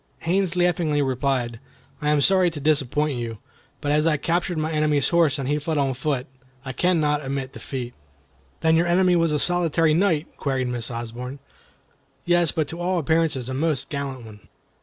Haines laughingly replied: "I am sorry to disappoint you; but as I captured my enemy's horse and he fled on foot, I cannot admit defeat." "Then your enemy was a solitary knight?" queried Miss Osborne. "Yes, but to all appearances a most gallant one."